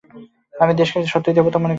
আমি দেশকে সত্যই দেবতা বলে মানি।